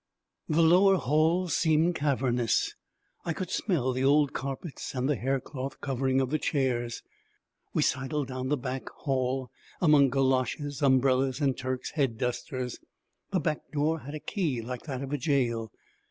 The lower hall seemed cavernous. I could smell the old carpets and the haircloth covering of the chairs. We sidled down the back hall among goloshes, umbrellas, and Turk's head dusters. The back door had a key like that of a jail.